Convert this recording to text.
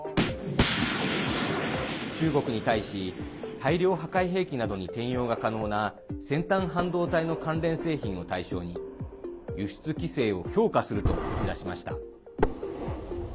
中国に対し大量破壊兵器などに転用が可能な先端半導体の関連製品を対象に輸出規制を強化すると打ち出しました。